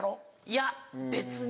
いや別に。